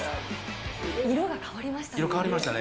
色変わりましたね。